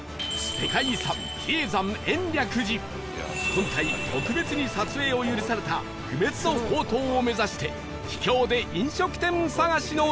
今回特別に撮影を許された不滅の法灯を目指して秘境で飲食店探しの旅